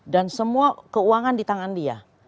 dan semua keuangan di tangan dia